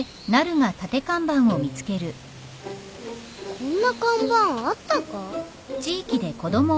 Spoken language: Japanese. こんな看板あったか？